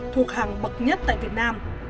cuộc hàng bậc nhất tại việt nam